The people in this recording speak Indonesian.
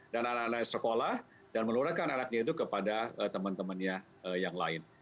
dan anak anak sekolah dan melualkan anaknya itu kepada teman temannya yang lain